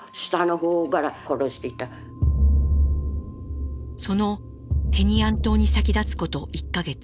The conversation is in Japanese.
そのテニアン島に先立つこと１か月。